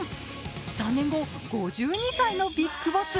３年後、５２歳のビッグボス。